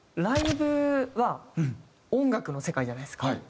ライブは音楽の世界じゃないですか。